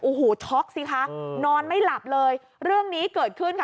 โอ้โหช็อกสิคะนอนไม่หลับเลยเรื่องนี้เกิดขึ้นค่ะ